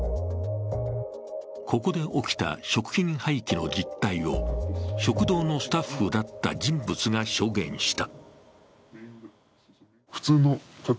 ここで起きた食品廃棄の実態を食堂のスタッフだった人物が証言した。